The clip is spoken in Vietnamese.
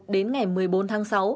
đến ngày một mươi bốn tháng sáu